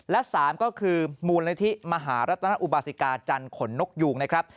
และ๓ก็คือมูลนิธิมหารัตนอุบาสิกาจันทร์ขนนกยูงนะครับ